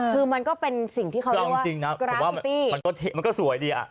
คือมันก็เป็นสิ่งที่เขาเรียกว่ากระพริปีนะอยู่พิธี